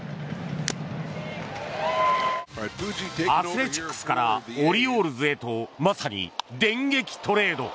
アスレチックスからオリオールズへとまさに電撃トレード。